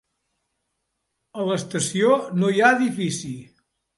A l'estació no hi ha edifici.